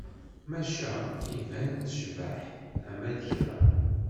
Maca iban tecbeḥ ama d kra.